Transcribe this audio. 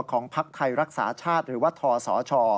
ของพักไทยรักษาชาติหรือวัตถสช